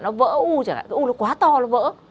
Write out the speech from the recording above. nó vỡ u chẳng hạn cái u nó quá to nó vỡ